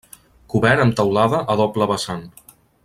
Cobert amb teulada a doble vessant.